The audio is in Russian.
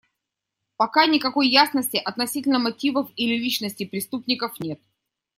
Пока никакой ясности относительно мотивов или личностей преступников нет.